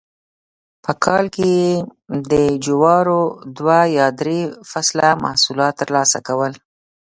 په کال کې یې د جوارو دوه یا درې فصله محصولات ترلاسه کول